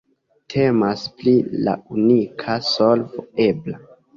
Temas pri la unika solvo ebla.